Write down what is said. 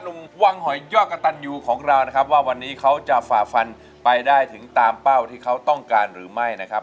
วังหอยยอดกระตันยูของเรานะครับว่าวันนี้เขาจะฝ่าฟันไปได้ถึงตามเป้าที่เขาต้องการหรือไม่นะครับ